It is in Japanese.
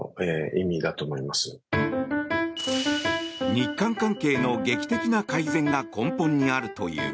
日韓関係の劇的な改善が根本にあるという。